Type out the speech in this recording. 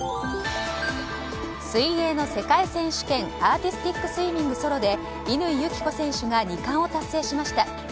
水泳の世界選手権アーティスティックスイミングソロで乾友紀子選手が２冠を達成しました。